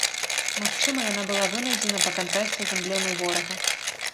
Магчыма, яна была вынайдзена па кантрасце з эмблемай ворага.